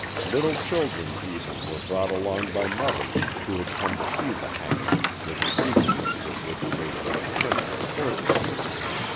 Little children even were brought along by mothers who had come to see the hanging with an eagerness with which they would have attended a circus.